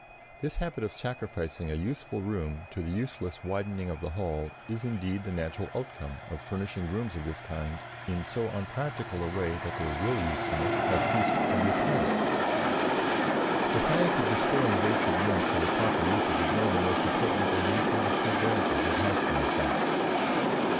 This habit of sacrificing a useful room to the useless widening of the hall is indeed the natural outcome of furnishing rooms of this kind in so unpractical a way that their real usefulness has ceased to be apparent. The science of restoring wasted rooms to their proper uses is one of the most important and least understood branches of house furnishing.